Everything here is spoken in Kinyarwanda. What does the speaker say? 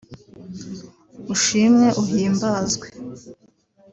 Ushimwe uhimbazwe